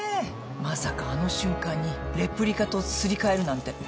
まさかあの瞬間にレプリカとすり替えるなんて。